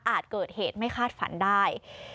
เกิดเหตุไม่คาดฝันได้